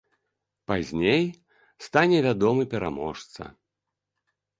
Пазней стане вядомы пераможца.